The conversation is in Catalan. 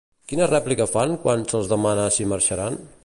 Quina rèplica fan quan se'ls demana si marxaran?